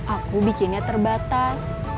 aku bikinnya terbatas